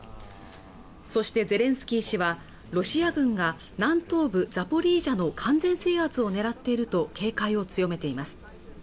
そしてゼレンスキー氏はロシア軍が南東部ザポリージャの完全制圧を狙っていると警戒を強めています